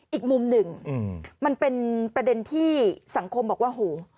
อีกมุมหนึ่งมันเป็นประเด็นที่สังคมบอกว่าโห